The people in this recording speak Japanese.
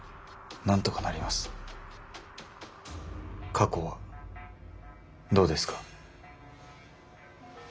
過去はどうですか。